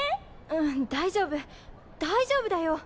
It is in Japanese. うん大丈夫大丈夫だよ。